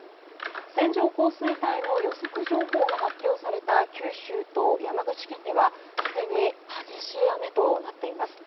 線状降水帯の予測情報が発表された九州と山口県ではすでに激しい雨となっています。